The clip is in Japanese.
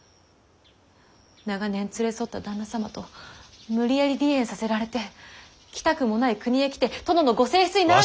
長年連れ添った旦那様と無理やり離縁させられて来たくもない国へ来て殿のご正室になられた。